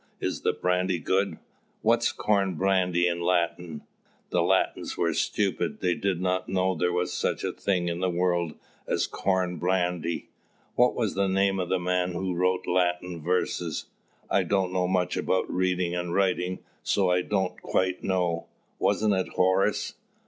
Is the brandy good? What's corn brandy in Latin? The Latins were stupid: they did not know there was such a thing in the world as corn brandy. What was the name of the man who wrote Latin verses? I don't know much about reading and writing, so I don't quite know. Wasn't it Horace?"